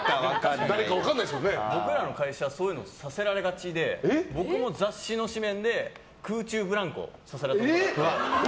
僕らの会社そういうのさせられがちで僕も雑誌の誌面で空中ブランコさせられたことがあって。